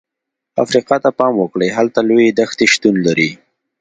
افریقا ته پام وکړئ، هلته لویې دښتې شتون لري.